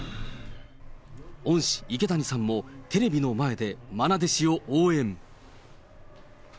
恩師、池谷さんもテレビの前でまな弟子を応援。